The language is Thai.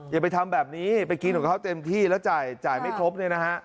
อย่าไปทำแบบนี้ไปกินของเขาเต็มที่แล้วจ่ายไม่ครบเนี่ยนะฮะ